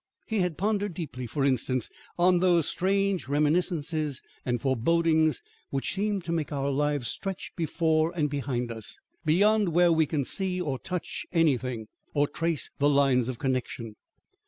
He had pondered deeply, for instance, on those strange reminiscences and forebodings, which seem to make our lives stretch before and behind us, beyond where we can see or touch anything, or trace the lines of connexion.